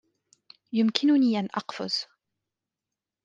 يمكنني أن أقفز.